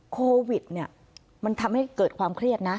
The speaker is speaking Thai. โควิดเนี่ยมันทำให้เกิดความเครียดนะ